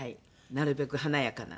なるべく華やかな。